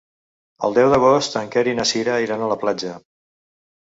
El deu d'agost en Quer i na Cira iran a la platja.